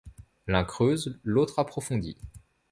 L’un creuse, l’autre approfondit.